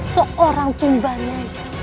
seorang tumba nyai